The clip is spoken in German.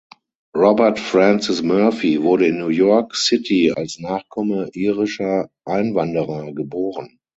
Robert Francis Murphy wurde in New York City als Nachkomme irischer Einwanderer geboren.